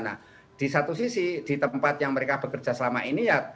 nah di satu sisi di tempat yang mereka bekerja selama ini ya